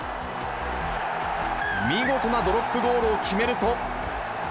見事なドロップゴールを決めると。